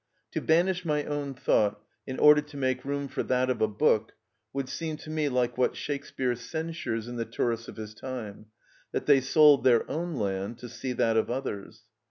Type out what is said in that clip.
To banish my own thought in order to make room for that of a book would seem to me like what Shakespeare censures in the tourists of his time, that they sold their own land to see that of others.